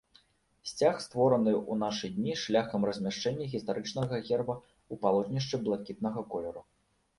Сцяг створаны ў нашы дні шляхам размяшчэння гістарычнага герба ў палотнішчы блакітнага колеру.